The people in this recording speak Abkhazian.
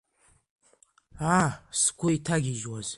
Аа, сгәы иҭагьежьуаз.